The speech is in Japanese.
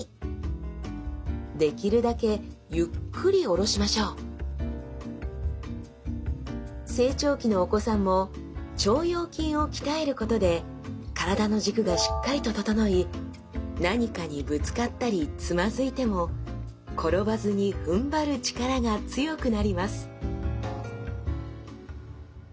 こんなふうに成長期のお子さんも腸腰筋を鍛えることで体の軸がしっかりと整い何かにぶつかったりつまずいても転ばずにふんばる力が強くなります